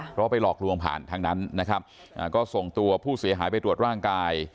เพราะไปหลอกลวงผ่านทางนั้นนะครับก็ส่งตัวผู้เสียหายไปตรวจร่างกาย